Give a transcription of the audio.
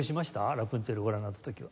『ラプンツェル』ご覧になった時は。